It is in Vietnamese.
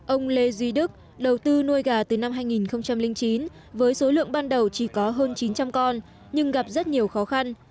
ông lê duy đức đầu tư nuôi gà từ năm hai nghìn chín với số lượng ban đầu chỉ có hơn chín trăm linh con nhưng gặp rất nhiều khó khăn